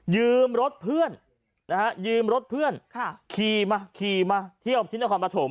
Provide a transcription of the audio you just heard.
อ๋อยืมรถเพื่อนนะฮะยืมรถเพื่อนค่ะขี่มาขี่มาเที่ยวที่น้องความประถม